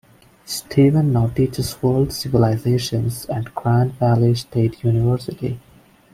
Steven now teaches World Civilizations at Grand Valley State University.